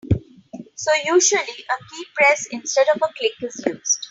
So usually a keypress instead of a click is used.